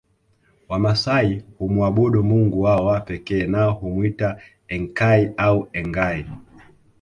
Wamasai humwabudu mungu wao wa pekee nao humwita Enkai au Engai